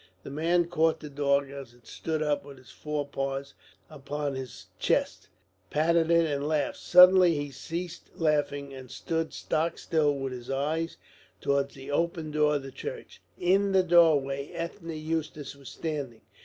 The man caught the dog as it stood up with its forepaws upon his chest, patted it, and laughed. Suddenly he ceased laughing, and stood stock still with his eyes towards the open door of the church. In the doorway Ethne Eustace was standing.